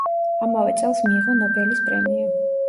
ამავე წელს მიიღო ნობელის პრემია.